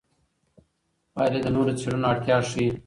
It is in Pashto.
پایلې د نورو څېړنو اړتیا ښيي.